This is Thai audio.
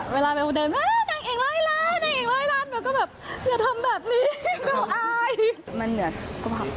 เวลาเบลเดินนางเอกร้อยล้านเบลก็แบบอย่าทำแบบนี้เบลล์อาย